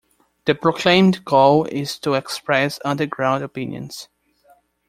The proclaimed goal is to express underground opinions.